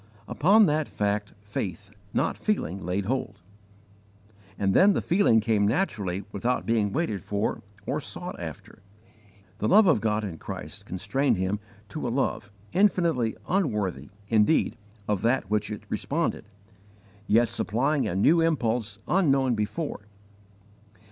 Upon that fact faith, not feeling, laid hold; and then the feeling came naturally without being waited for or sought after. The love of God in Christ constrained him to a love infinitely unworthy, indeed, of that to which it responded, yet supplying a new impulse unknown before.